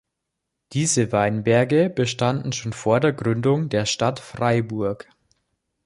Diese Weinberge bestanden schon vor der Gründung der Stadt Freiburg.